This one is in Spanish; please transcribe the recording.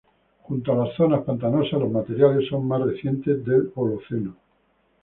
Junto a las zonas pantanosas los materiales son más recientes, del Holoceno.